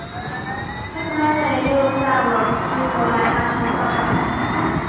他曾担任耶路撒冷希伯来大学的校长。